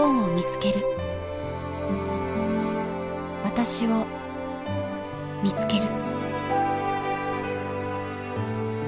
私を見つける。